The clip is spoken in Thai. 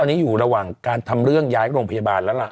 ตอนนี้อยู่ระหว่างการทำเรื่องย้ายโรงพยาบาลแล้วล่ะ